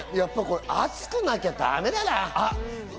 熱くなきゃだめだな。